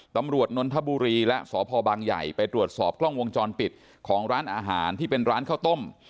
นนทบุรีและสพบางใหญ่ไปตรวจสอบกล้องวงจรปิดของร้านอาหารที่เป็นร้านข้าวต้ม